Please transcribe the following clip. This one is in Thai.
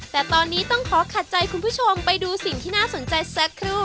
แต่ตอนนี้ต้องขอขัดใจคุณผู้ชมไปดูสิ่งที่น่าสนใจสักครู่